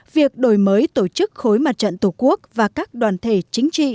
việc đổi mới tổ chức khối mặt trận tổ quốc và các đoàn thể chính trị